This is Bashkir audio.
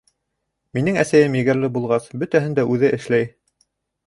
Минең әсәйем егәрле булғас, бөтәһен дә үҙе эшләй.